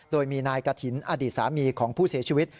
โดยมีนายกฐินอดีตสามีของผู้เสียชีวิต